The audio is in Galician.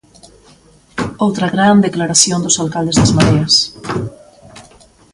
Outra gran declaración dos alcaldes das Mareas.